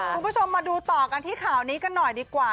คุณผู้ชมมาดูต่อกันที่ข่าวนี้กันหน่อยดีกว่า